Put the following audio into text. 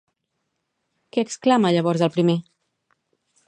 Què exclama llavors el primer?